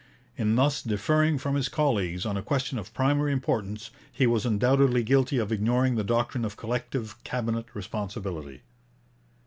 In thus differing from his colleagues on a question of primary importance he was undoubtedly guilty of ignoring the doctrine of collective Cabinet responsibility.